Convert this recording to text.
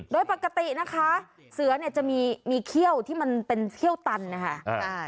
โดยปกตินะคะเสือจะมีเครี่ยวที่มันเป็นเครี่ยวตันนะคะ